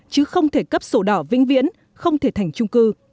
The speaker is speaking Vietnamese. chứ không thể cấp sổ đỏ vĩnh viễn không thể thành trung cư